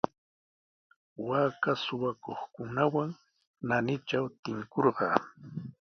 Waaka suqakuqkunawan naanitraw tinkurqaa.